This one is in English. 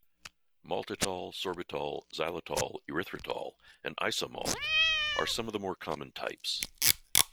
Maltitol, sorbitol, xylitol, erythritol, and isomalt are some of the more common types.